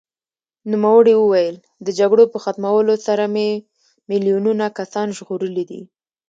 نوموړي وویل، د جګړو په ختمولو سره مې میلیونونه کسان ژغورلي دي.